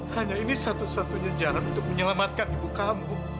hanya ini satu satunya jalan untuk menyelamatkan ibu kamu